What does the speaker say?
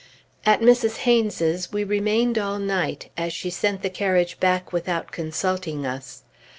At Mrs. Haynes's we remained all night, as she sent the carriage back without consulting us.